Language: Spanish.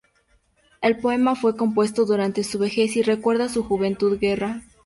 El poema fue compuesto durante su vejez y recuerda su juventud guerrera.